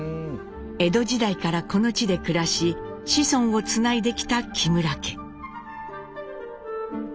江戸時代からこの地で暮らし子孫をつないできた木村家。